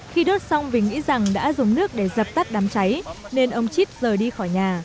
khi đốt xong vì nghĩ rằng đã dùng nước để dập tắt đám cháy nên ông chít rời đi khỏi nhà